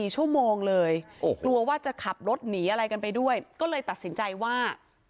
๔ชั่วโมงเลยกลัวว่าจะขับรถหนีอะไรกันไปด้วยก็เลยตัดสินใจว่า